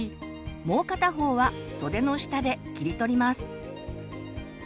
もう片方は袖の下で切り取ります。